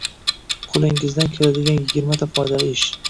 Qo‘lingizdan keladigan yigirmata foydali ish.